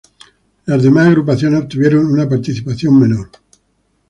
Las demás agrupaciones obtuvieron un participación menor.